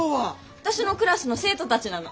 私のクラスの生徒たちなの。